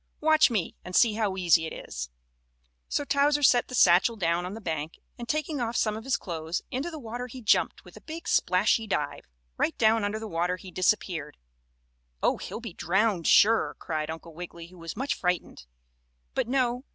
Watch me and see how easy it is." So Towser set the satchel down on the bank and, taking off some of his clothes, into the water he jumped with a big splashy dive. Right down under the water he disappeared. "Oh, he'll be drowned, sure!" cried Uncle Wiggily, who was much frightened. But, no.